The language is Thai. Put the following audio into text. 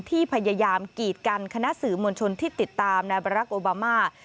ที่พยายามกีดกันคณะสื่อมวลชนที่ติดตามนายบารักษ์โอบามา